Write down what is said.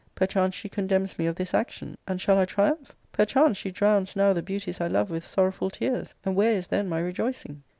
Perchance she condemns me of this action, and shall I tritunph? Perchance she drowns now the beauties I love with sorrowful tears, and where is then my rejoicing